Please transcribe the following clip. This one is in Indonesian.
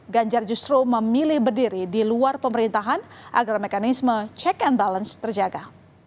ganjar justru memilih berdiri di luar pemerintahan agar mekanisme check and balance terjaga